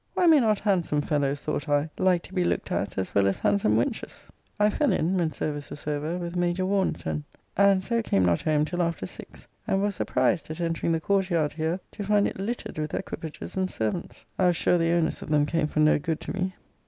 Why may not handsome fellows, thought I, like to be looked at, as well as handsome wenches? I fell in, when service was over, with Major Warneton; and so came not home till after six; and was surprised, at entering the court yard here, to find it littered with equipages and servants. I was sure the owners of them came for no good to me.